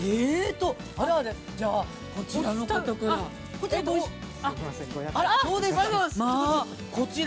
じゃあ、こちらの方から。